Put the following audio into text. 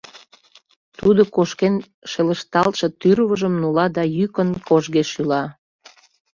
Тудо кошкен шелышталтше тӱрвыжым нула да йӱкын, кожге шӱла.